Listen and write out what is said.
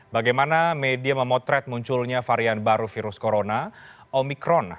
bagaimana media memotret munculnya varian baru virus corona omikron